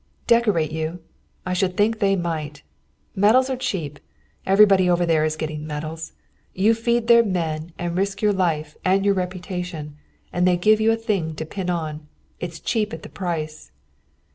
"Decorate you! I should think they might. Medals are cheap. Everybody over there is getting medals. You feed their men and risk your life and your reputation, and they give you a thing to pin on. It's cheap at the price."